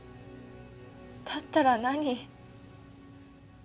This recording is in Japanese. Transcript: だったら何？